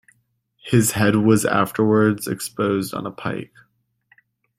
His head was afterwards exposed on a pike.